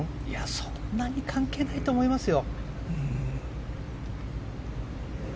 そんなに関係ないと思いますよ。